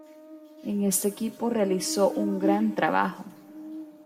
En este equipo realizó un gran trabajo.